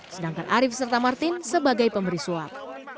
sedangkan arief serta martin sebagai pemberi suap